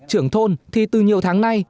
trưởng thôn thì từ nhiều tháng nay